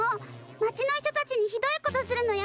町の人たちにひどいことするのやめて！